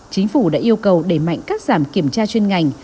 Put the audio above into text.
chính phủ đã yêu cầu đẩy mạnh cắt giảm kiểm tra chuyên ngành